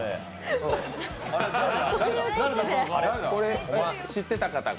これ知ってた方？